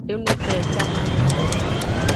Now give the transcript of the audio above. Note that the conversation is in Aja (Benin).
Enu kpen eta mano abo.